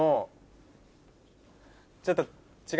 ちょっと。